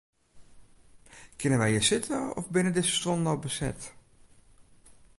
Kinne wy hjir sitte of binne dizze stuollen al beset?